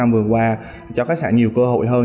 và cho khách sạn nhiều cơ hội hơn